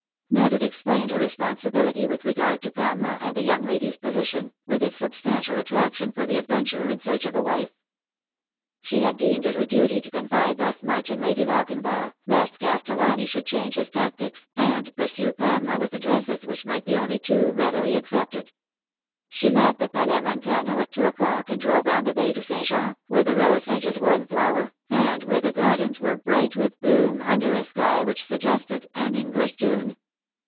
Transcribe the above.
Mildred explained her responsibility with regard to Pamela and the young lady's position, with its substantial attraction for the adventurer in search of a wife. She had deemed it her duty to confide thus much in Lady Lochinvar, lest Castellani should change his tactics, and pursue Pamela with addresses which might be only too readily accepted. She left the Palais Montano at two o'clock, and drove round the bay to St. Jean, where the rose hedges were in flower, and where the gardens were bright with bloom under a sky which suggested an English June.